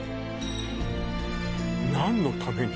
何のために？